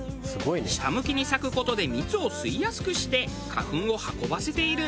下向きに咲く事で蜜を吸いやすくして花粉を運ばせている。